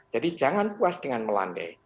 jadi jangan puas dengan melande